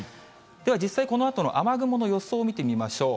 では実際、このあとの雨雲の予想を見てみましょう。